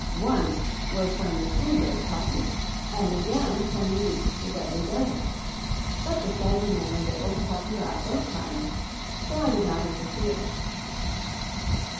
Once was when the Scoodlers caught you, and again when you reached the Deadly Desert. But the shaggy man was able to help you out both times, so I did not interfere."